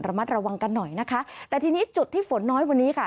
ระมัดระวังกันหน่อยนะคะแต่ทีนี้จุดที่ฝนน้อยวันนี้ค่ะ